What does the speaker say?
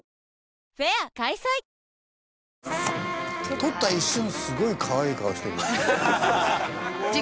取った一瞬すごいかわいい顔してるよね。